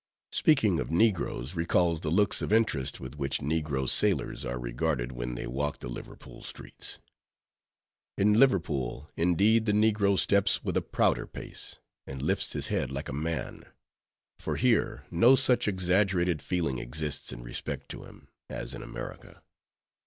Speaking of negroes, recalls the looks of interest with which negro sailors are regarded when they walk the Liverpool streets. In Liverpool indeed the negro steps with a prouder pace, and lifts his head like a man; for here, no such exaggerated feeling exists in respect to him, as in America.